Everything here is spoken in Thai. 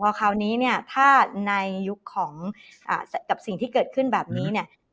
คราวนี้เนี่ยถ้าในยุคของกับสิ่งที่เกิดขึ้นแบบนี้เนี่ย